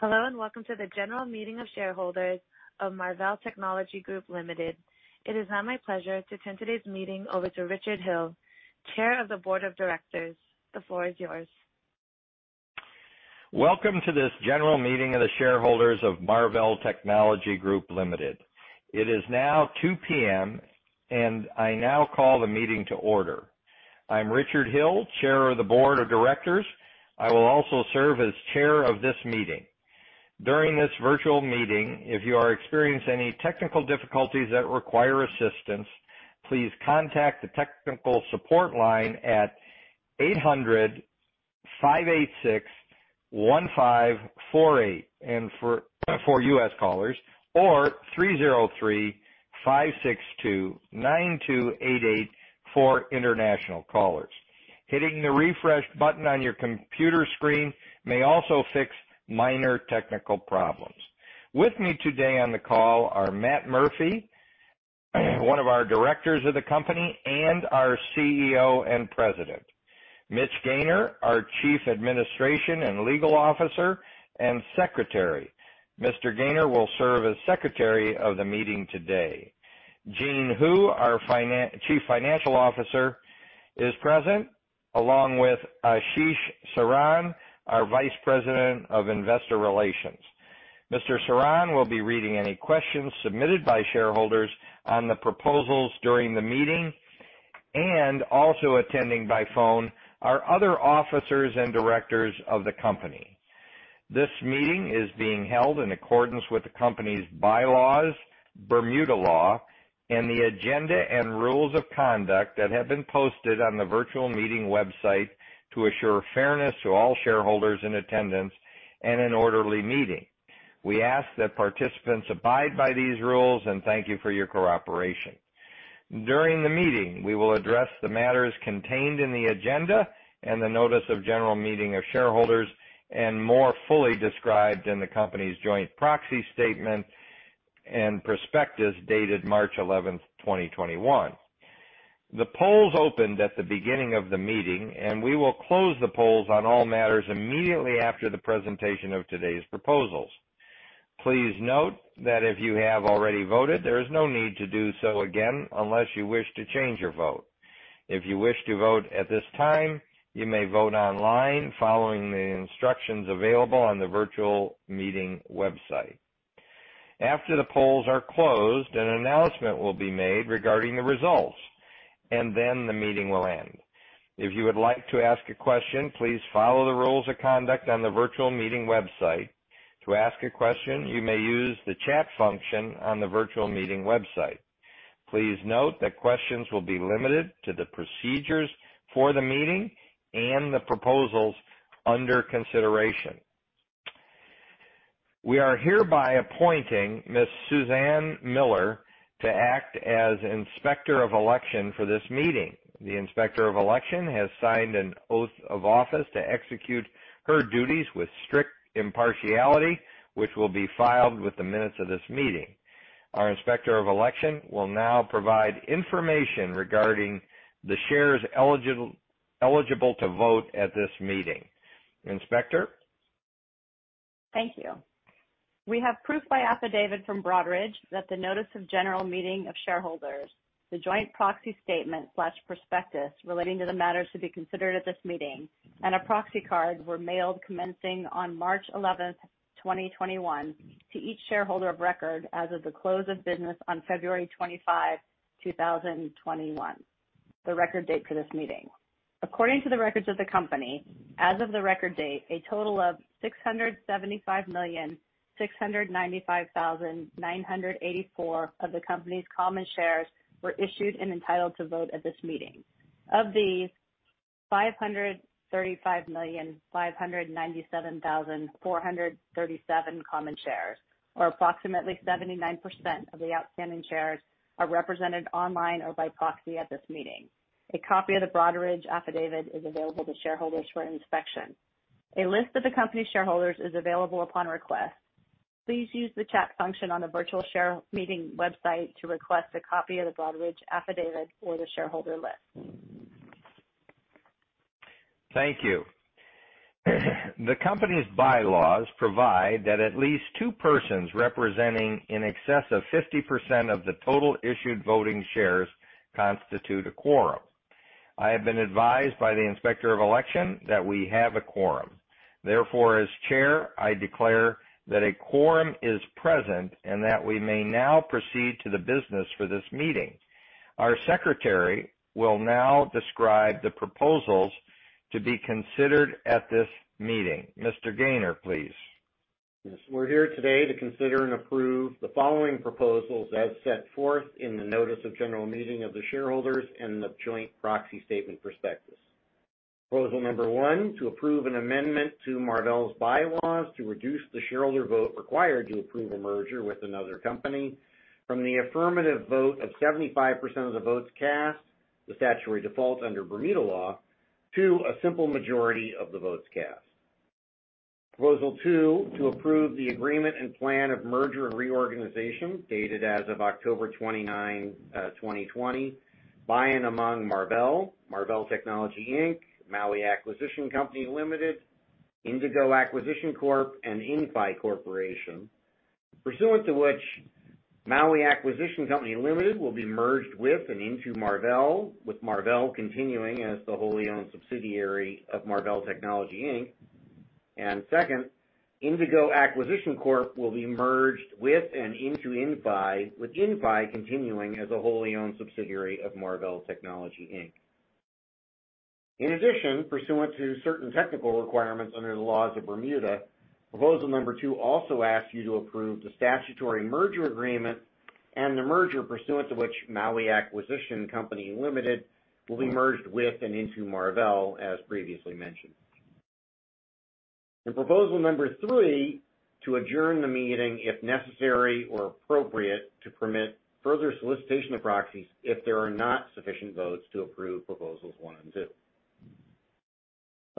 Hello, welcome to the general meeting of shareholders of Marvell Technology Group Ltd.. It is now my pleasure to turn today's meeting over to Richard Hill, Chair of the Board of Directors. The floor is yours. Welcome to this general meeting of the shareholders of Marvell Technology Group Ltd. It is now 2:00 P.M., and I now call the meeting to order. I'm Richard Hill, Chair of the Board of Directors. I will also serve as chair of this meeting. During this virtual meeting, if you are experiencing any technical difficulties that require assistance, please contact the technical support line at 800-586-1548 for U.S. callers, or 303-562-9288 for international callers. Hitting the refresh button on your computer screen may also fix minor technical problems. With me today on the call are Matt Murphy, one of our directors of the company and our CEO and President. Mitch Gaynor, our Chief Administration and Legal Officer and Secretary. Mr. Gaynor will serve as secretary of the meeting today. Jean Hu, our Chief Financial Officer, is present, along with Ashish Saran, our Vice President of Investor Relations. Mr. Saran will be reading any questions submitted by shareholders on the proposals during the meeting, and also attending by phone are other officers and directors of the company. This meeting is being held in accordance with the company's bylaws, Bermuda Law, and the agenda and rules of conduct that have been posted on the virtual meeting website to assure fairness to all shareholders in attendance and an orderly meeting. We ask that participants abide by these rules and thank you for your cooperation. During the meeting, we will address the matters contained in the agenda and the notice of general meeting of shareholders, and more fully described in the company's joint proxy statement and prospectus, dated March 11th, 2021. The polls opened at the beginning of the meeting, and we will close the polls on all matters immediately after the presentation of today's proposals. Please note that if you have already voted, there is no need to do so again unless you wish to change your vote. If you wish to vote at this time, you may vote online following the instructions available on the virtual meeting website. After the polls are closed, an announcement will be made regarding the results, and then the meeting will end. If you would like to ask a question, please follow the rules of conduct on the virtual meeting website. To ask a question, you may use the chat function on the virtual meeting website. Please note that questions will be limited to the procedures for the meeting and the proposals under consideration. We are hereby appointing Ms. Suzanne Miller to act as Inspector of Election for this meeting. The Inspector of Election has signed an oath of office to execute her duties with strict impartiality, which will be filed with the minutes of this meeting. Our Inspector of Election will now provide information regarding the shares eligible to vote at this meeting. Inspector? Thank you. We have proof by affidavit from Broadridge that the notice of general meeting of shareholders, the joint proxy statement/prospectus relating to the matters to be considered at this meeting, and our proxy cards were mailed commencing on March 11th, 2021, to each shareholder of record as of the close of business on February 25, 2021, the record date for this meeting. According to the records of the company, as of the record date, a total of 675,695,984 of the company's common shares were issued and entitled to vote at this meeting. Of these, 535.6 million common shares, or approximately 79% of the outstanding shares, are represented online or by proxy at this meeting. A copy of the Broadridge affidavit is available to shareholders for inspection. A list of the company shareholders is available upon request. Please use the chat function on the virtual share meeting website to request a copy of the Broadridge affidavit or the shareholder list. Thank you. The company's bylaws provide that at least two persons representing in excess of 50% of the total issued voting shares constitute a quorum. I have been advised by the Inspector of Election that we have a quorum. Therefore, as Chair, I declare that a quorum is present and that we may now proceed to the business for this meeting. Our Secretary will now describe the proposals to be considered at this meeting. Mr. Gaynor, please. Yes. We're here today to consider and approve the following proposals as set forth in the notice of general meeting of the shareholders and the joint proxy statement prospectus. Proposal number one, to approve an amendment to Marvell's bylaws to reduce the shareholder vote required to approve a merger with another company from the affirmative vote of 75% of the votes cast, the statutory default under Bermuda law, to a simple majority of the votes cast. Proposal two, to approve the agreement and plan of merger and reorganization dated as of October 29, 2020, by and among Marvell Technology, Inc., Maui Acquisition Company Ltd, Indigo Acquisition Corp., and Inphi Corporation. Pursuant to which Maui Acquisition Company Limited will be merged with and into Marvell, with Marvell continuing as the wholly-owned subsidiary of Marvell Technology, Inc. Second, Indigo Acquisition Corp will be merged with and into Inphi, with Inphi continuing as a wholly-owned subsidiary of Marvell Technology, Inc. In addition, pursuant to certain technical requirements under the laws of Bermuda, proposal number two also asks you to approve the statutory merger agreement and the merger pursuant to which Maui Acquisition Company Limited will be merged with and into Marvell, as previously mentioned. In proposal number three, to adjourn the meeting, if necessary or appropriate, to permit further solicitation of proxies if there are not sufficient votes to approve proposals one and two.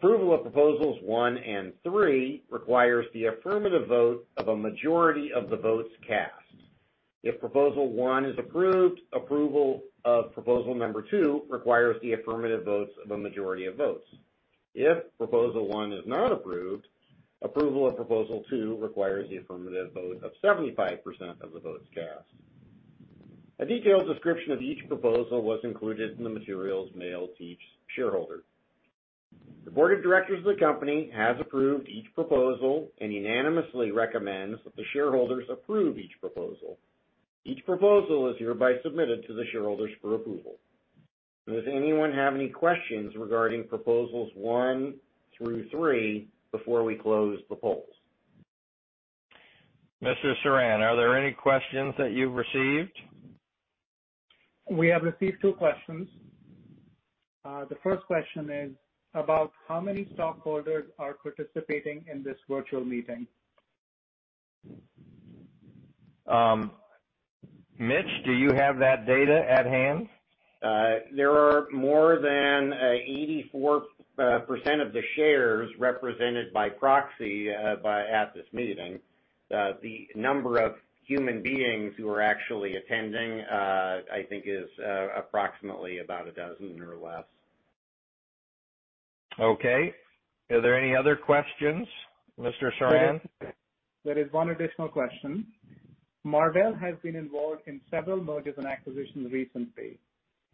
Approval of proposals one and three requires the affirmative vote of a majority of the votes cast. If proposal one is approved, approval of proposal number two requires the affirmative votes of a majority of votes. If proposal one is not approved, approval of proposal two requires the affirmative vote of 75% of the votes cast. A detailed description of each proposal was included in the materials mailed to each shareholder. The board of directors of the company has approved each proposal and unanimously recommends that the shareholders approve each proposal. Each proposal is hereby submitted to the shareholders for approval. Does anyone have any questions regarding proposals one through three before we close the polls? Mr. Saran, are there any questions that you've received? We have received two questions. The first question is about how many stockholders are participating in this virtual meeting. Mitch, do you have that data at hand? There are more than 84% of the shares represented by proxy at this meeting. The number of human beings who are actually attending, I think is approximately about a dozen or less. Okay. Are there any other questions, Mr. Saran? There is one additional question. Marvell has been involved in several mergers and acquisitions recently.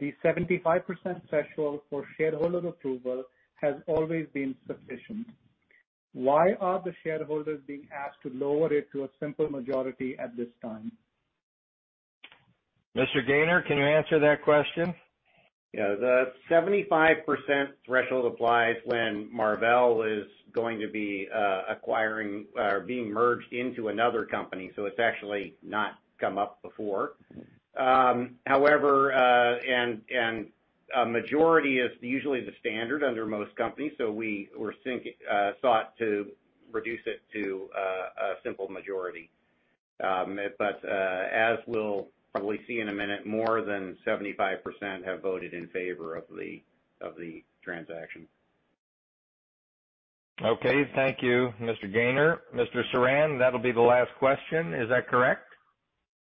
The 75% threshold for shareholder approval has always been sufficient. Why are the shareholders being asked to lower it to a simple majority at this time? Mr. Gaynor, can you answer that question? The 75% threshold applies when Marvell is going to be acquiring or being merged into another company, so it's actually not come up before. However, a majority is usually the standard under most companies, so we sought to reduce it to a simple majority. As we'll probably see in a minute, more than 75% have voted in favor of the transaction. Okay. Thank you, Mr. Gaynor. Mr. Saran, that'll be the last question. Is that correct?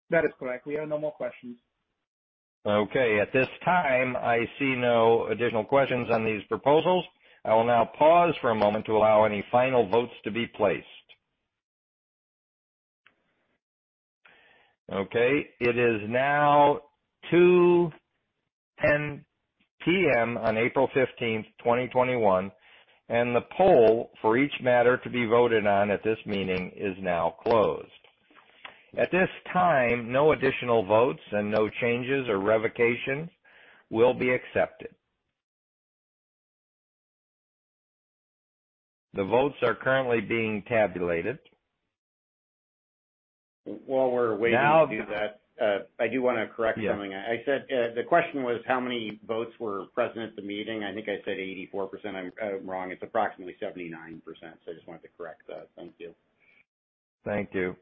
That is correct. We have no more questions. Okay. At this time, I see no additional questions on these proposals. I will now pause for a moment to allow any final votes to be placed. Okay. It is now 2:10 P.M. on April 15th, 2021, and the poll for each matter to be voted on at this meeting is now closed. At this time, no additional votes and no changes or revocations will be accepted. The votes are currently being tabulated. While we're waiting to do that, I do want to correct something. Yeah. I said the question was how many votes were present at the meeting. I think I said 84%. I'm wrong. It's approximately 79%, so I just wanted to correct that. Thank you. Thank you.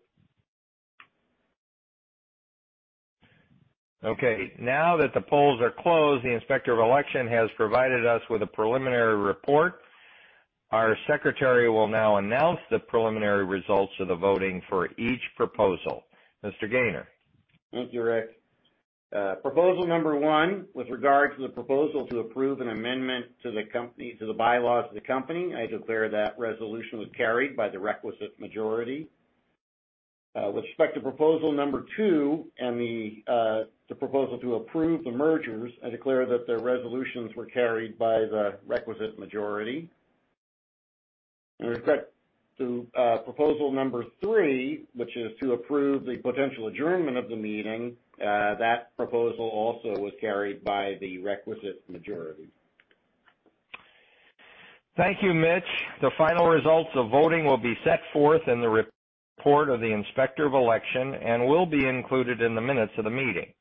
Okay, now that the polls are closed, the inspector of election has provided us with a preliminary report. Our secretary will now announce the preliminary results of the voting for each proposal. Mr. Gaynor. Thank you, Rick. Proposal number one, with regard to the proposal to approve an amendment to the bylaws of the company, I declare that resolution was carried by the requisite majority. With respect to proposal number two and the proposal to approve the mergers, I declare that the resolutions were carried by the requisite majority. With that, to proposal number three, which is to approve the potential adjournment of the meeting, that proposal also was carried by the requisite majority. Thank you, Mitch. The final results of voting will be set forth in the report of the Inspector of Election and will be included in the minutes of the meeting.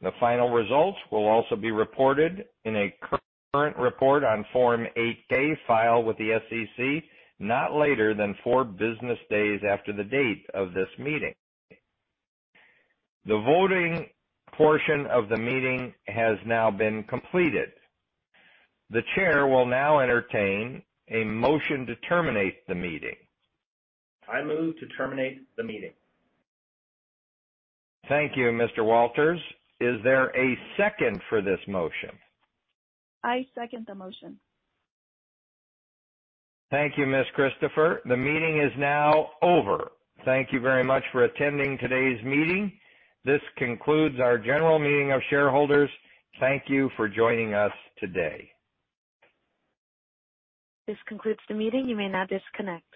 The final results will also be reported in a current report on Form 8-K filed with the SEC, not later than four business days after the date of this meeting. The voting portion of the meeting has now been completed. The chair will now entertain a motion to terminate the meeting. I move to terminate the meeting. Thank you, Mr. Walters. Is there a second for this motion? I second the motion. Thank you, Ms. Christopher. The meeting is now over. Thank you very much for attending today's meeting. This concludes our general meeting of shareholders. Thank you for joining us today. This concludes the meeting. You may now disconnect.